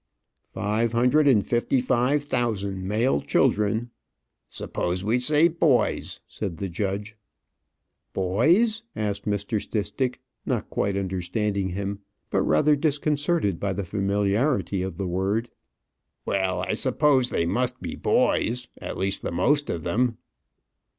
"Five hundred and fifty five thousand male children " "Suppose we say boys," said the judge. "Boys?" asked Mr. Stistick, not quite understanding him, but rather disconcerted by the familiarity of the word. "Well, I suppose they must be boys; at least the most of them."